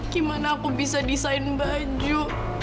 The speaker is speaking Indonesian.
gimana aku bisa desain baju